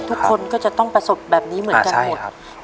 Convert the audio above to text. ทุกคนก็จะต้องประสบแบบนี้เหมือนกันหมด